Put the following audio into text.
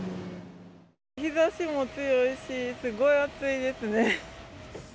日ざしも強いし、すごい暑いですね。